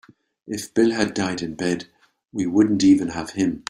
If Bill had died in bed we wouldn't even have him.